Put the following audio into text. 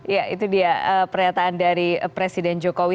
ya itu dia pernyataan dari presiden jokowi